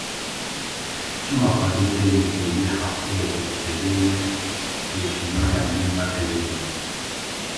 Çima Xwedê deynê te yê hefteyekê dipejirîne, pêşîneya min napejirîne!